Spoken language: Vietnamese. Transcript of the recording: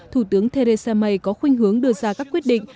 thủ tướng theresa may có khuyên hướng đưa ra các quyết định